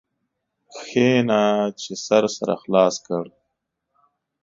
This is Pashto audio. کښېنه چي سر سره خلاص کړ.